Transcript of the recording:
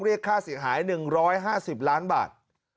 เรียกค่าเสียหาย๑๕๐ล้านบาท